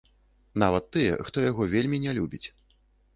Нават тыя, хто яго вельмі не любіць.